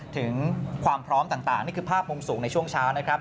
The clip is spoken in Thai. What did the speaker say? ถึงความพร้อมต่างนี่คือภาพมุมสูงในช่วงเช้านะครับ